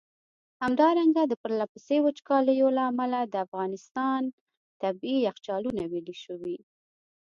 همدارنګه د پرله پسي وچکالیو له امله د افغانستان ٪ طبیعي یخچالونه ویلي شوي.